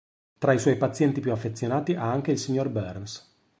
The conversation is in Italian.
Tra i suoi pazienti più affezionati ha anche il signor Burns.